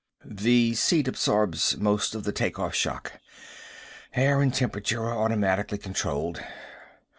"The seat absorbs most of the take off shock. Air and temperature are automatically controlled.